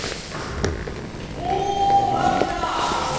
お舞ちゃん！